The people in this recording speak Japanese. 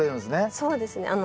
そうですね。